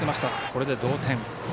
これで同点。